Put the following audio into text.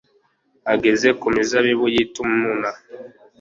ageze ku mizabibu y'i timuna